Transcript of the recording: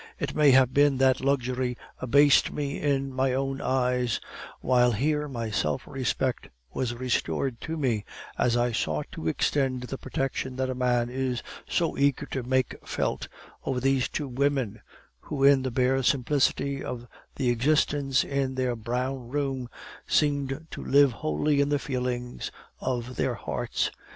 It may have been that luxury abased me in my own eyes, while here my self respect was restored to me, as I sought to extend the protection that a man is so eager to make felt, over these two women, who in the bare simplicity of the existence in their brown room seemed to live wholly in the feelings of their hearts.